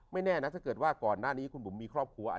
แน่นะถ้าเกิดว่าก่อนหน้านี้คุณบุ๋มมีครอบครัว